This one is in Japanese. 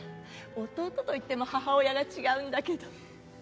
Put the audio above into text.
弟といっても母親が違うんだけど。